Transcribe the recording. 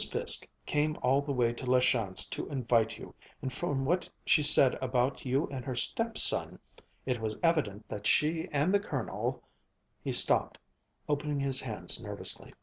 Fiske came all the way to La Chance to invite you, and from what she said about you and her stepson, it was evident that she and the Colonel " He stopped, opening his hands nervously.